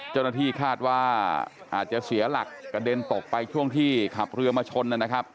เจ้าหน้าที่คาดว่าอาจจะเสียหลักกระเด็นตกไปช่วงที่ขับเรือมาชนนะครับ